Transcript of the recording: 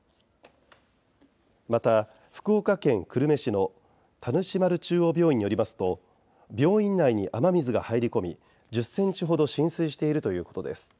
また、福岡県久留米市の田主丸中央病院によりますと病院内に雨水が入り込み１０ｃｍほど浸水しているということです。